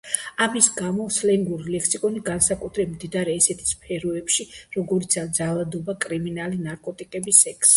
ამის გამო სლენგური ლექსიკონი განსაკუთრებით მდიდარია ისეთ სფეროებში, როგორიცაა ძალადობა, კრიმინალი, ნარკოტიკები, სექსი.